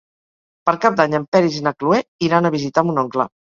Per Cap d'Any en Peris i na Cloè iran a visitar mon oncle.